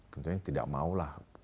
tentunya tidak maulah